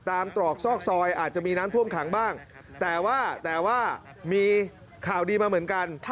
อาจจะมีน้ำท่วมขังบ้างแต่ว่ามีข่าวดีมาเหมือนกัน